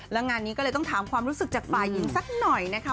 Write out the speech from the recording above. แล้วงานนี้ก็เลยต้องถามความรู้สึกจากฝ่ายหญิงสักหน่อยนะคะ